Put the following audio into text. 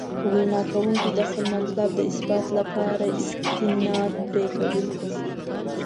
وینا کوونکي د خپل مطلب د اثبات لپاره استناد پرې کوي.